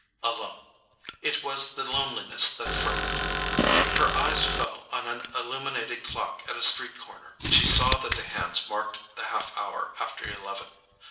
—Alone! It was the loneliness that frightened her. Her eyes fell on an illuminated clock at a street corner, and she saw that the hands marked the half hour after eleven.